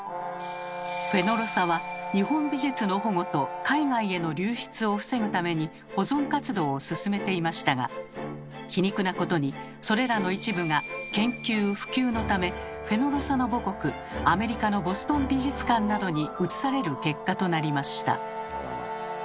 フェノロサは日本美術の保護と海外への流出を防ぐために保存活動を進めていましたが皮肉なことにそれらの一部が研究・普及のためフェノロサの母国アメリカのボストン美術館などに移される結果となりました。